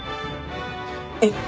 えっ？